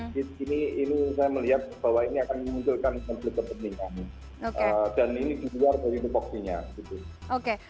di sini saya melihat bahwa ini akan mengundurkan konflik kepentingan dan ini keluar dari provoksinya